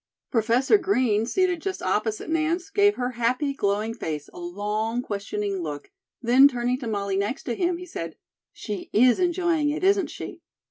Professor Green, seated just opposite Nance, gave her happy, glowing face a long questioning look, then turning to Molly next to him, he said: "She is enjoying it, isn't she?"